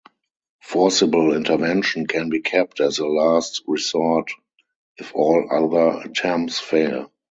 Forcible intervention can be kept as a last resort if all other attempts fail.